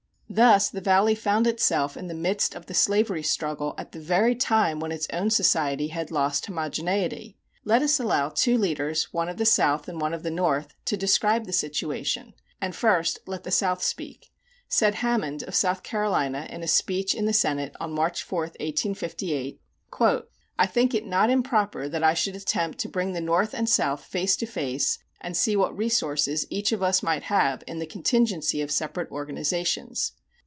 Thus the Valley found itself in the midst of the slavery struggle at the very time when its own society had lost homogeneity. Let us allow two leaders, one of the South and one of the North, to describe the situation; and, first, let the South speak. Said Hammond, of South Carolina,[198:1] in a speech in the Senate on March 4, 1858: I think it not improper that I should attempt to bring the North and South face to face, and see what resources each of us might have in the contingency of separate organizations.